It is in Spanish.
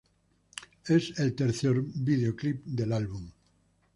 Es el tercer videoclip del álbum.